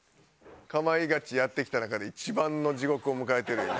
『かまいガチ』やってきた中で一番の地獄を迎えてるよ